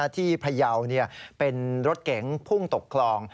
ที่พะเยาเป็นรถเก๋งพุ่งตกคลอง